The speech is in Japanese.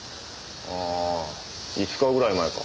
ああ５日ぐらい前か。